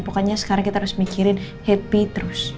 pokoknya sekarang kita harus mikirin happy terus